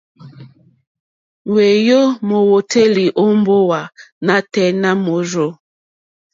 Ŋwéyò mówǒtélì ó mbówà nǎtɛ̀ɛ̀ nà môrzô.